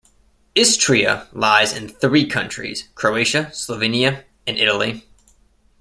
Istria lies in three countries: Croatia, Slovenia and Italy.